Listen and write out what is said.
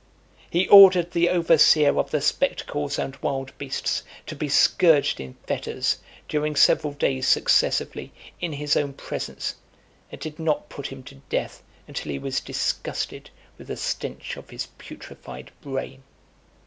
He ordered the overseer of the spectacles and wild beasts to be scourged in fetters, during several days successively, in his own presence, and did not put him to death until he was disgusted with the stench of his putrefied brain.